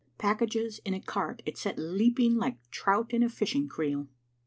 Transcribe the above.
Packages in a cart it set leaping like trout in a fishing creel.